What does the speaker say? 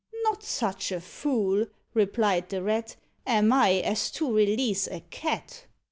"Not such a fool," replied the Rat, "Am I as to release a Cat!"